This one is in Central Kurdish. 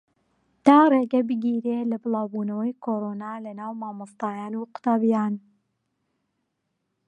تا ڕێگە بگیرێت لە بڵاوبوونەوەی کۆرۆنا لەناو مامۆستایان و قوتابییان